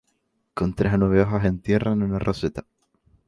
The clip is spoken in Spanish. Con tres a nueve hojas en tierra en una roseta.